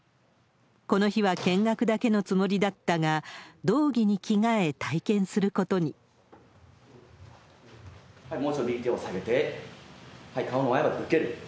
この日は見学だけのつもりだったが、道着に着替え、体験することもうちょっと右手を下げて、はい、顔を前に向ける。